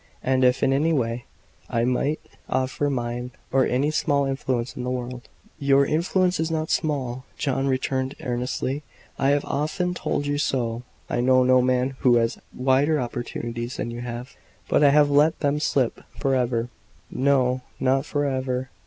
And if, in any way, I might offer mine, or any small influence in the world " "Your influence is not small," John returned earnestly. "I have often told you so. I know no man who has wider opportunities than you have." "But I have let them slip for ever." "No, not for ever.